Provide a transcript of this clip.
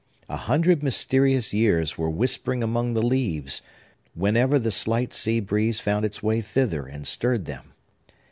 A hundred mysterious years were whispering among the leaves, whenever the slight sea breeze found its way thither and stirred them.